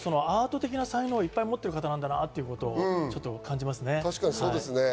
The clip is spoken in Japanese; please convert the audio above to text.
アート的な才能をいっぱい持ってる方なんだなと感じますね。